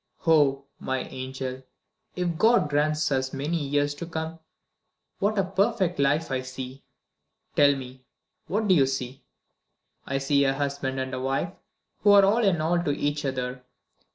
Oh, my angel, if God grants us many years to come, what a perfect life I see!" "Tell me what do you see?" "I see a husband and wife who are all in all to each other.